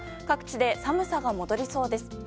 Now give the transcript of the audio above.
各地で寒さが戻りそうです。